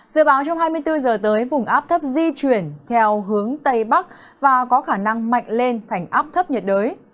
dự báo trong hai mươi bốn giờ tới vùng áp thấp di chuyển theo hướng tây bắc và có khả năng mạnh lên thành áp thấp nhiệt đới